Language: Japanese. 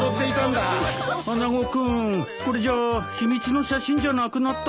穴子君これじゃあ秘密の写真じゃなくなったね。